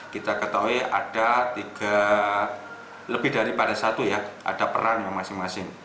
kita ketahui ada tiga lebih daripada satu ya ada peran yang masing masing